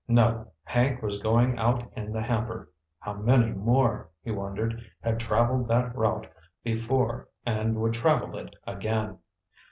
No—Hank was going out in the hamper. How many more," he wondered, "had traveled that route before and would travel it again...."